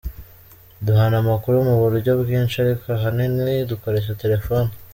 Duhana amakuru mu buryo bwinshi ariko ahanini dukoresha telefoni.